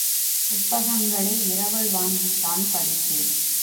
புத்தகங்களை இரவல் வாங்கித் தான் படித்தேன்.